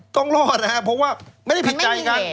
ต้องรอดนะครับเพราะว่าไม่ได้ผิดใจกัน